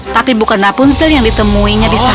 tapi bukan rapunzel yang ditemuinya disana